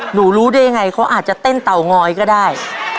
รู้ได้ยังไงเขาอาจจะเต้นเตางอยก็ได้